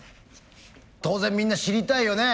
当然みんな知りたいよね。